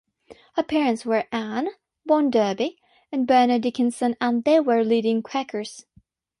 Her parents were Ann (born Darby) and Barnard Dickinson and they were leading Quakers.